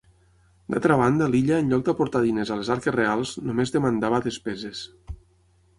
D'altra banda l'illa en lloc d'aportar diners a les arques reals, només demandava despeses.